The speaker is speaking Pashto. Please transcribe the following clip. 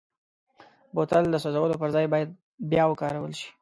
بوتل د سوزولو پر ځای باید بیا وکارول شي.